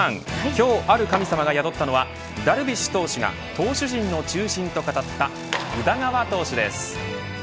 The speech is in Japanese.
今日ある神様が宿ったのはダルビッシュ投手が投手陣の中心と語った宇田川投手です。